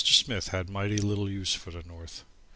Smith had mighty little use for the north.